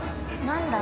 何だ？